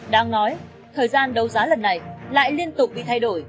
đang nói thời gian đầu giá lần này lại liên tục bị thay đổi